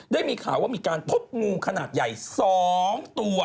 ได้มีข่าวว่ามีการพบงูขนาดใหญ่๒ตัว